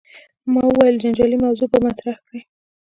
ما ویل جنجالي موضوع به مطرح کړې.